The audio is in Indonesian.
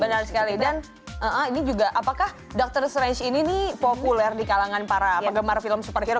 benar sekali dan ini juga apakah doctor strange ini nih populer di kalangan para penggemar film superhero